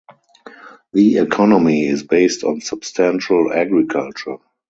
The economy is based on substantial agriculture.